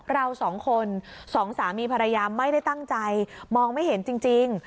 เราสองคนสองสามีภรรยาไม่ได้ตั้งใจมองไม่เห็นจริง